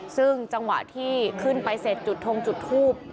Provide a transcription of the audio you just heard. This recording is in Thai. ซึ่งจังหวะที่ขึ้นไปเสร็จจุดทงจุดทูบ